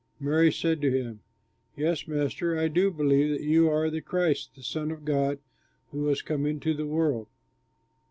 She said to him, "Yes, Master, I do believe that you are the Christ, the Son of God who was to come into the world."